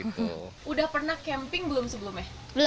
sudah pernah camping belum sebelumnya